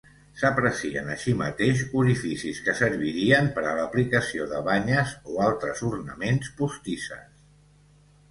S'aprecien així mateix orificis que servirien per a l'aplicació de banyes o altres ornaments postisses.